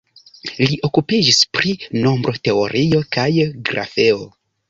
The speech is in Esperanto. Li okupiĝis pri nombroteorio kaj grafeo.